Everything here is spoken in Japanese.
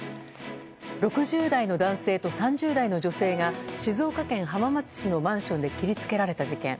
６０代の男性と３０代の女性が静岡県浜松市のマンションで切りつけられた事件。